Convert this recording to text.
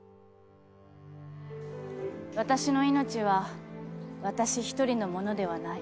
私のいのちは私一人のものではない。